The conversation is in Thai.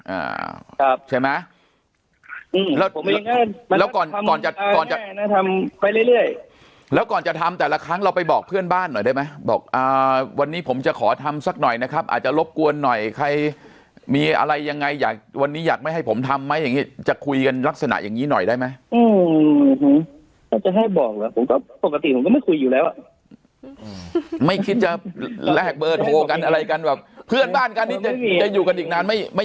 อ่าครับใช่ไหมอืมแล้วก่อนก่อนจะก่อนจะทำไปเรื่อยเรื่อยแล้วก่อนจะทำแต่ละครั้งเราไปบอกเพื่อนบ้านหน่อยได้ไหมบอกอ่าวันนี้ผมจะขอทำสักหน่อยนะครับอาจจะรบกวนหน่อยใครมีอะไรยังไงอยากวันนี้อยากไม่ให้ผมทำไหมอย่างนี้จะคุยกันลักษณะอย่างนี้หน่อยได้ไหมอืมอืมอืมอืมอืมอืมอืมอืมอืมอืมอืมอืมอืมอืมอืมอืมอืมอืมอืมอืมอืม